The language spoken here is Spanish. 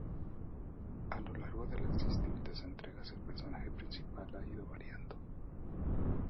A lo largo de las distintas entregas el personaje principal ha ido variando.